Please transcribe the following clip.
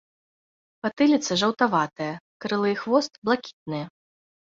Патыліца жаўтаватая, крылы і хвост блакітныя.